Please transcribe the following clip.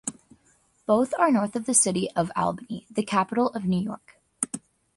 Both are north of the city of Albany, the capital of New York.